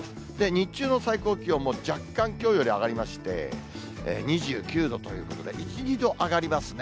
日中の最高気温も若干、きょうより上がりまして、２９度ということで、１、２度上がりますね。